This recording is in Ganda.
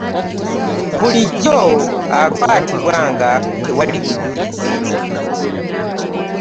Bulijjo akwatibwa nga tewali bujulizi.